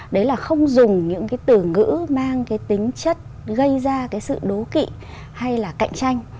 đấy là không dùng những từ ngữ mang tính chất gây ra sự đố kị hay là cạnh tranh